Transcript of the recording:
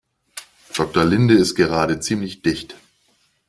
Doktor Linde ist gerade ziemlich dicht.